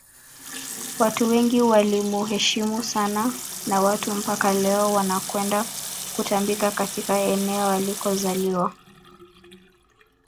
watu wengi walimuheshimu sana na watu mpaka leo wanakwenda kutambika katika eneo alikozaliwa